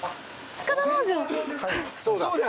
塚田農場だ。